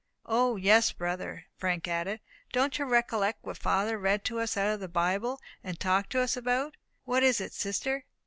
"O, yes, brother," Frank added, "don't you recollect what father read to us out of the Bible, and talked to us about? What is it, sister?"